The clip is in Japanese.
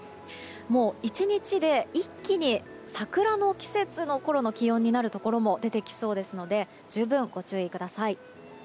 もう、１日で一気に桜の季節のころの気温になるところも出てきそうですので十分、ご注意ください。